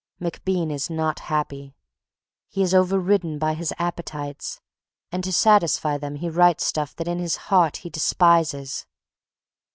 MacBean is not happy. He is overridden by his appetites, and to satisfy them he writes stuff that in his heart he despises.